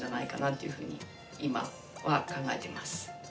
というふうに今は考えてます。